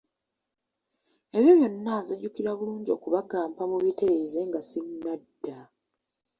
Ebyo byonna nzijukira bulungi okubagamba mubitereeze nga sinnadda.